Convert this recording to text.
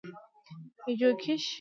ايجوکيشن